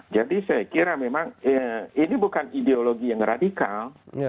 jadi saya kira memang ini bukan ideologi yang radikal